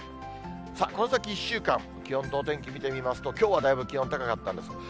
さあ、この先１週間、気温とお天気見てみますと、きょうはだいぶ気温、高かったんです。